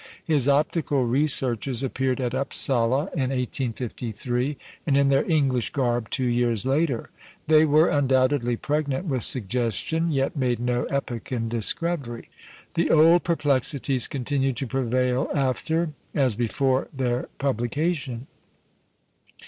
His Optical Researches appeared at Upsala in 1853, and in their English garb two years later. They were undoubtedly pregnant with suggestion, yet made no epoch in discovery. The old perplexities continued to prevail after, as before their publication.